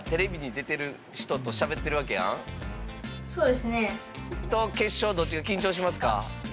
そうですね。と決勝どっちが緊張しますか？